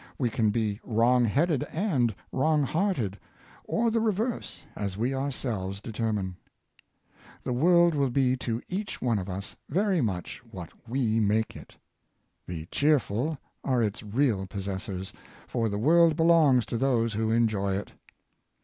We can be wrong headed and wrong hearted, or the reverse, as we ourselves de termine. The world will be to each one of us very much what we make it. The cheerful are its real pos sessors, for the world belongs to those who enjoy it.